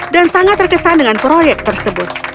dan sangat terkesan dengan proyek tersebut